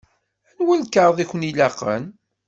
Anwa lkaɣeḍ i ken-ilaqen?